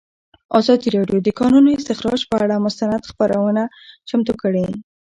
ازادي راډیو د د کانونو استخراج پر اړه مستند خپرونه چمتو کړې.